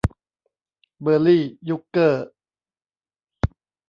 เบอร์ลี่ ยุคเกอร์